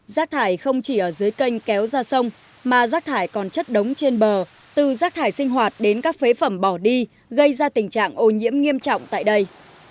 rác thải không chỉ ở dưới canh kéo ra sông mà rác thải còn chất đống trên bờ từ rác thải sinh hoạt đến các phế phẩm bỏ đi gây ra tình trạng ô nhiễm nghiêm trọng tại đây